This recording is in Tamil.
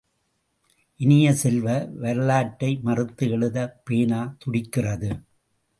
இனிய செல்வ, வரலாற்றை மறுத்து எழுதப் பேனா துடிக்கிறது.